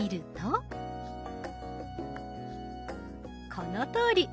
このとおり。